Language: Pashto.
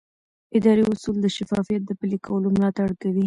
اداري اصول د شفافیت د پلي کولو ملاتړ کوي.